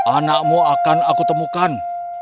anakmu akan aku temukan